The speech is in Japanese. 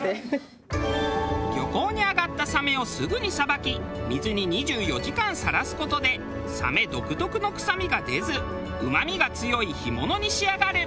漁港に揚がったサメをすぐに捌き水に２４時間さらす事でサメ独特の臭みが出ずうまみが強い干物に仕上がる。